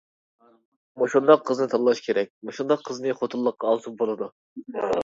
مۇشۇنداق قىزنى تاللاش كېرەك، مۇشۇنداق قىزنى خوتۇنلۇققا ئالسا بولىدۇ.